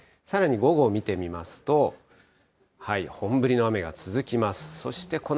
さらに午後見てみますと、本降りの雨が続きます。